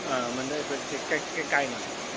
มันได้ไปใกล้ใกล้หน่อย